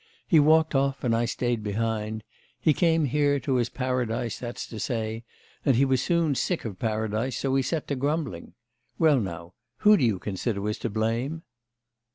He walked off and I stayed behind; he came here, to his paradise that's to say, and he was soon sick of paradise, so he set to grumbling. Well now, who do you consider was to blame?